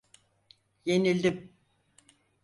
Yenildim.